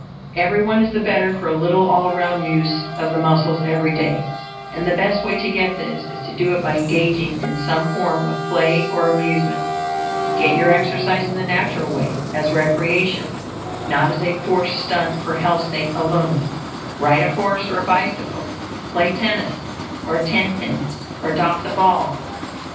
Every one is the better for a little all round use of the muscles every day; and the best way to get this is to do it by engaging in some form of play or amusement. Get your exercise in the natural way; as recreation, not as a forced stunt for health's sake alone. Ride a horse or a bicycle; play tennis or tenpins, or toss a ball.